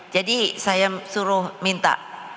jadi saya suruh minta